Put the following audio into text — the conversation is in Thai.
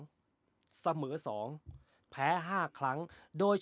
ละฝีสมึงสอง